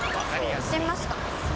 行ってみますか。